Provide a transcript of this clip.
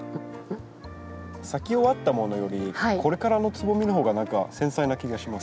咲き終わったものよりこれからのつぼみのほうが何か繊細な気がします。